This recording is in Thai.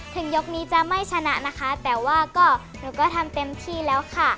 ยกนี้จะไม่ชนะนะคะแต่ว่าก็หนูก็ทำเต็มที่แล้วค่ะ